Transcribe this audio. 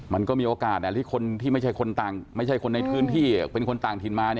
มันก็มีโอกาสที่คนที่ไม่ใช่คนไม่ใช่คนในพื้นที่เป็นคนต่างถิ่นมา